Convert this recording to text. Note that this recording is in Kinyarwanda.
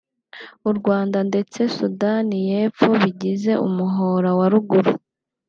u Rwanda ndetse Sudani y’Epfo bigize umuhora wa ruguru